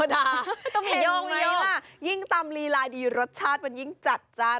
เห็นไหมนะต้องมียกยิ่งตำรีลาดีรสชาติมันยิ่งจัดจ้าน